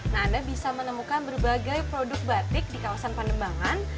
nah anda bisa menemukan berbagai produk batik di kawasan pandembangan